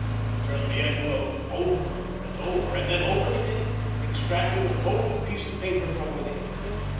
He turned the envelope over and over; and then, opening it, extracted a folded piece of paper from within.